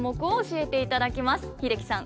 英樹さん